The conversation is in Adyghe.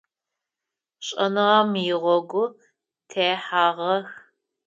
Шӏэныгъэм игъогу техьагъэх.